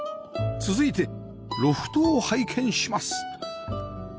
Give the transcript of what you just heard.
続いてロフトを拝見します